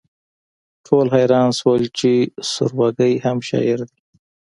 ټول حیران شول چې سوربګی هم شاعر دی